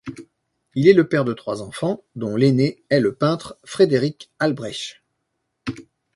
Il est le père de trois enfants dont l'aîné est le peintre Frédéric Halbreich.